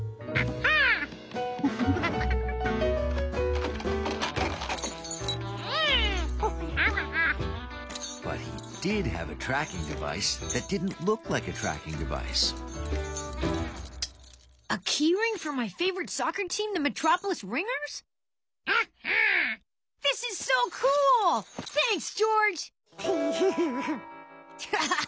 アハハハ。